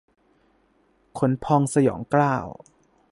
ขนพองสยองเกล้า